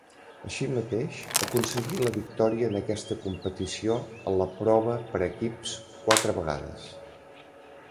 Així mateix aconseguí la victòria en aquesta competició en la prova per equips quatre vegades.